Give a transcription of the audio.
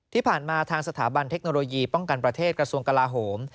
ที่ผ่านมาทางสถาบันเทคโนโลยีป้องกันประเทศกระทรวงกลาโหม